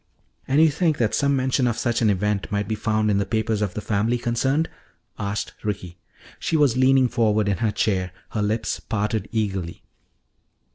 "And you think that some mention of such an event might be found in the papers of the family concerned?" asked Ricky. She was leaning forward in her chair, her lips parted eagerly.